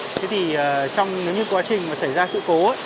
thế thì trong những quá trình mà xảy ra sự cố